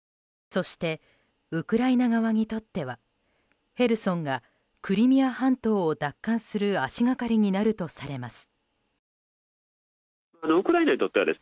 そしてウクライナ側にとってはヘルソンがクリミア半島を奪還する足掛かりになるとされます。